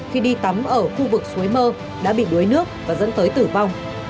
khi đi tắm ở khu vực suối mơ đã bị đuối nước và dẫn tới tử vong